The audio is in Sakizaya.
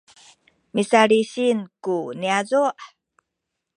misalisin ku niyazu’